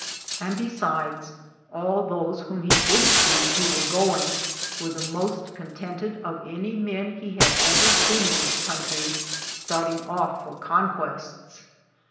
And besides, all those whom he did see who were going, were the most contented of any men he had ever seen in this country starting off for conquests.